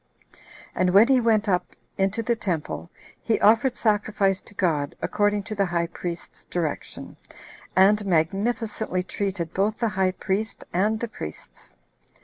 And when he went up into the temple, he offered sacrifice to God, according to the high priest's direction, and magnificently treated both the high priest and the priests.